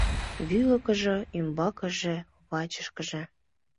Вӱлыкыжӧ — ӱмбакыже, вачышкыже.